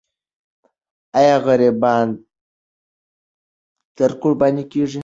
آیا غریبان تل قرباني کېږي؟